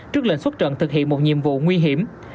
trước lệnh xuất trận thực hiện một nhiệm vụ nguy hiểm